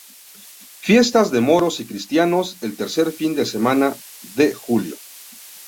Fiestas de moros y cristianos, el tercer fin de semana de julio.